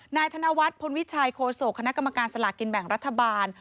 นายธนวัฒน์พลวิชัยโคศกคณะกรรมการสลากินแบ่งรัฐบาล